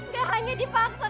gak hanya dipaksa